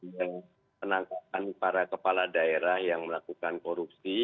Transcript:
dan penangkapan para kepala daerah yang melakukan korupsi